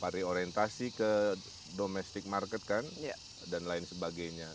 reorientasi ke domestic market dan lain sebagainya